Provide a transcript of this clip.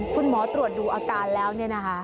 คุณหมอตรวจดูอาการแล้วเนี่ยนะคะ